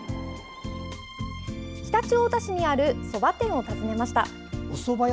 常陸太田市にあるそば店を訪ねました。